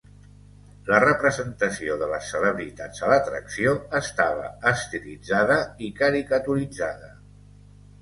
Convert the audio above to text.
La representació de les celebritats a l'atracció estava estilitzada i caricaturitzada.